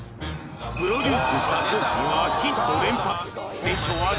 プロデュースした商品はヒット連発！